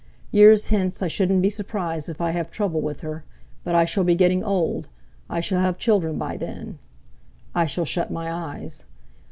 Years hence I shouldn't be surprised if I have trouble with her; but I shall be getting old, I shall have children by then. I shall shut my eyes.